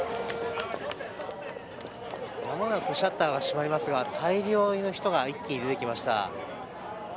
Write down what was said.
まもなくシャッターが閉まりますが大量の人が一気に出てきました。